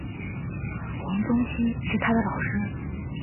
黄宗羲是他的老师。